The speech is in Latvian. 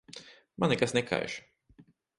Man nekas nekaiš.